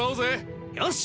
よし！